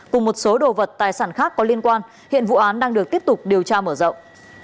cùng một số đồ vật tài sản khác có liên quan hiện vụ án đang được tiếp tục điều tra mở rộng